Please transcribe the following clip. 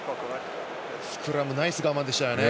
スクラムナイス我慢でしたね。